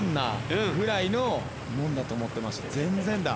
全然だ。